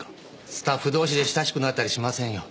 スタッフ同士で親しくなったりしませんよ。